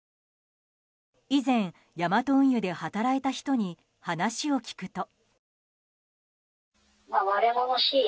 以前、ヤマト運輸で働いた人に話を聞くと。